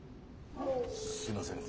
すいません